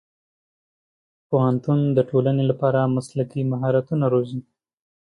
پوهنتون د ټولنې لپاره مسلکي مهارتونه روزي.